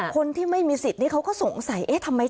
คนที่ไม่มีสิทธิ์เขาก็สงสัย